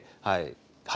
はい。